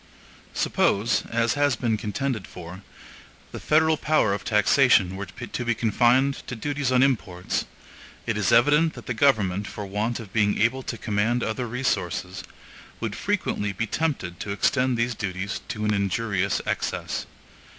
Suppose, as has been contended for, the federal power of taxation were to be confined to duties on imports, it is evident that the government, for want of being able to command other resources, would frequently be tempted to extend these duties to an injurious excess.